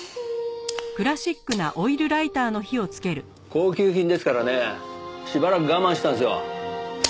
高級品ですからねしばらく我慢してたんですよ。